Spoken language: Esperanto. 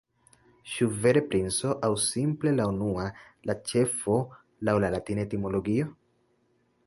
Ĉu vere princo, aŭ simple la unua, la ĉefo, laŭ la latina etimologio?